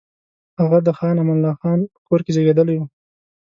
هغه د خان امان الله خان په کور کې زېږېدلی وو.